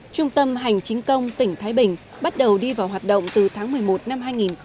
trung tâm hành chính công tỉnh thái bình bắt đầu đi vào hoạt động từ tháng một mươi một năm hai nghìn một mươi chín